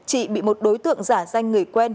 chị bị một đối tượng giả danh người quen